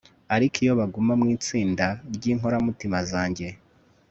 ariko iyo baguma mu itsinda ry inkoramutima zanjye